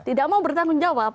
tidak mau bertanggung jawab